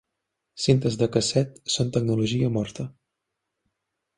Cintes de casset són tecnologia morta.